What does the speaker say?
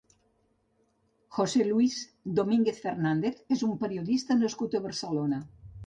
José Luis Domínguez Fernández és un periodista nascut a Barcelona.